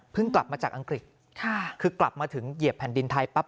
กลับมาจากอังกฤษค่ะคือกลับมาถึงเหยียบแผ่นดินไทยปั๊บ